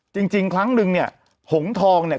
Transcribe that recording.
จริงครั้งนึงเนี่ยหงทองเนี่ย